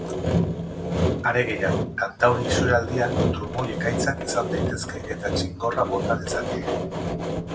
Are gehiago, kantauri isurialdean trumoi-ekaitzak izan daitezke eta txingorra bota dezake.